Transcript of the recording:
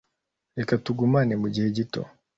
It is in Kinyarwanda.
Reka tugumane mugihe gito.